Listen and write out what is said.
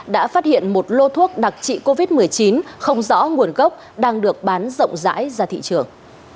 đã phát hiện một lô thuốc đặc trị covid một mươi chín không rõ nguồn gốc đang được bán rộng rãi ra thị trường